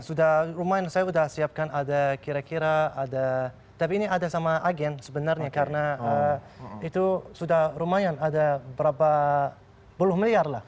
sudah lumayan saya sudah siapkan ada kira kira ada tapi ini ada sama agen sebenarnya karena itu sudah lumayan ada berapa puluh miliar lah